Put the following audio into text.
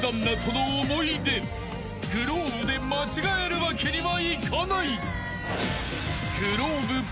［ｇｌｏｂｅで間違えるわけにはいかない］